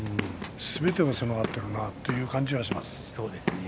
すべてが備わっているなという気がします。